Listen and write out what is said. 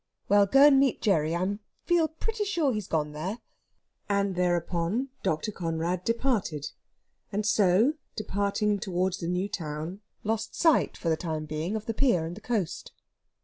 "Well, go and meet Gerry. I feel pretty sure he's gone there." And thereon Dr. Conrad departed, and so, departing towards the new town, lost sight for the time being of the pier and the coast.